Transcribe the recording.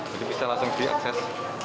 jadi bisa langsung diakses